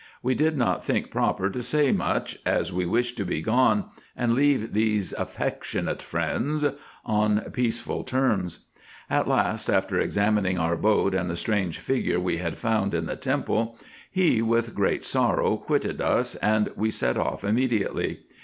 We did not think proper to say much, as we wished to be gone, and leave these affectionate friends on peaceful terms. At last, after examining our boat, and the strange figure we had found in the temple, he with great sorrow quitted us, and we set off imme diately.